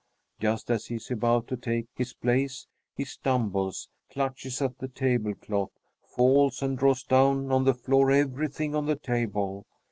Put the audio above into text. Just as he is about to take his place he stumbles, clutches at the table cloth, falls, and draws down on the floor everything on the table.